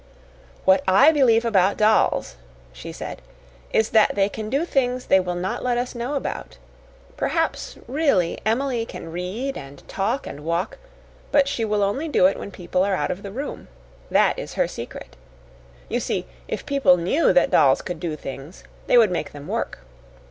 "What I believe about dolls," she said, "is that they can do things they will not let us know about. Perhaps, really, Emily can read and talk and walk, but she will only do it when people are out of the room. That is her secret. You see, if people knew that dolls could do things, they would make them work.